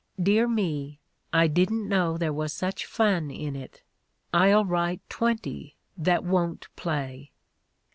Dear me, I didn't know there was such fun in it. I'll write twenty that won't play."